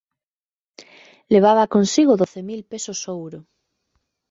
Levaba consigo doce mil pesos ouro.